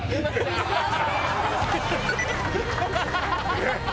えっ！